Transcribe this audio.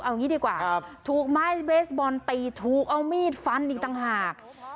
เอางี้ดีกว่าถูกไม้เบสบอลตีถูกเอามีดฟันอีกต่างหาก